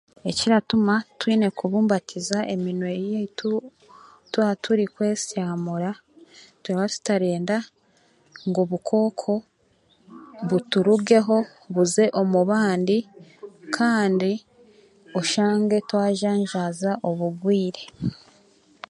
Ekiratuma twine kubumbatiza eminwa yaitu twaturikwesyamura, turatutarenda ngu obukooko buturugeho buze omu bandi kandi oshange twajanjaaza obugwire